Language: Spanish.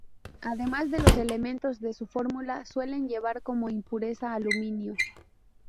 Además de los elementos de su fórmula, suele llevar como impureza aluminio.